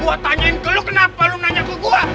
gue tanyain ke lo kenapa lu nanya ke gue